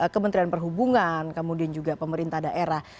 kementerian perhubungan kemudian juga pemerintah daerah